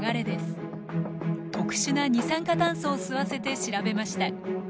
特殊な二酸化炭素を吸わせて調べました。